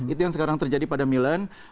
itu yang sekarang terjadi pada milan